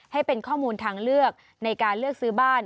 ให้เป็นข้อมูลทางเลือกในการเลือกซื้อบ้าน